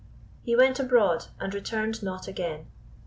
He went abroad, and returned not again.